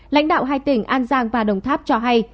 lãnh đạo hai tỉnh an giang và đồng tháp cho hay